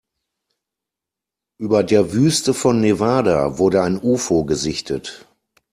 Über der Wüste von Nevada wurde ein Ufo gesichtet.